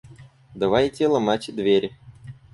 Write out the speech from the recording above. Давайте ломать дверь.